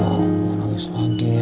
udah aku mau nulis lagi ya